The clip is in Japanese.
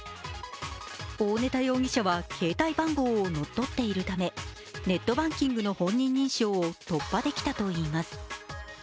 大根田容疑者は携帯番号を乗っ取っているためネットバンキングの本に認証を突破できたといいます。